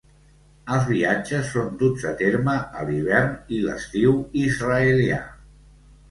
Els viatges són duts a terme a l'hivern i l'estiu israelià.